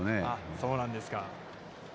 そうなんですか。